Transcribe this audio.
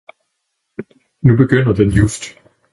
Nu begynder den just!